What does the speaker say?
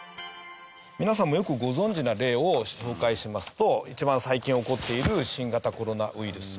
皆さんもよくご存じな例を紹介しますと一番最近起こっている新型コロナウイルス。